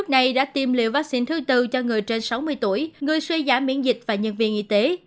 đức này đã tiêm liệu vaccine thứ tư cho người trên sáu mươi tuổi người xuyên giả miễn dịch và nhân viên y tế